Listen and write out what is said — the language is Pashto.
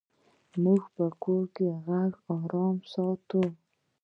موږ په کور کې غږ آرام ساتو.